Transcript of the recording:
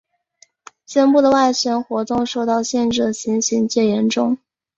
肩部的外旋活动受到限制的情形最严重。